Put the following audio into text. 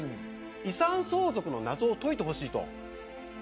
遺産相続の謎を解いてほしいと。